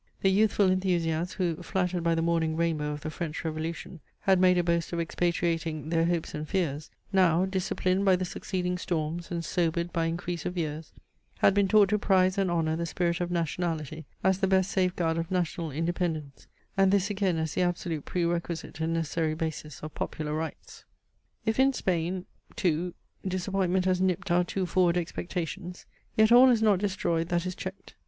The youthful enthusiasts who, flattered by the morning rainbow of the French revolution, had made a boast of expatriating their hopes and fears, now, disciplined by the succeeding storms and sobered by increase of years, had been taught to prize and honour the spirit of nationality as the best safeguard of national independence, and this again as the absolute pre requisite and necessary basis of popular rights. If in Spain too disappointment has nipped our too forward expectations, yet all is not destroyed that is checked.